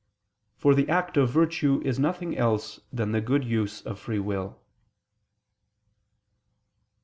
For the act of virtue is nothing else than the good use of free will.